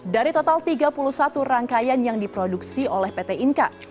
dari total tiga puluh satu rangkaian yang diproduksi oleh pt inka